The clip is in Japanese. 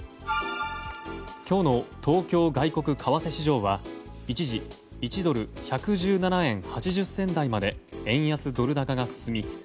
今日の東京外国為替市場は一時、１ドル＝１１７円８０銭台まで円安ドル高が進み